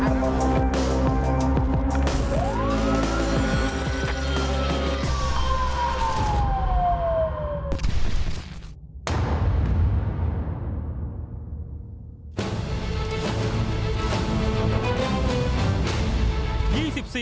สวัสดีครับ